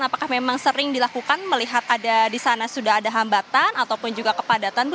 apakah memang sering dilakukan melihat ada di sana sudah ada hambatan ataupun juga kepadatan